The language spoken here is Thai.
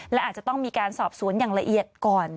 และอาจจะต้องมีการสอบสวนอย่างละเอียดก่อน